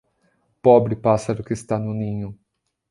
Pobre pássaro que está no ninho.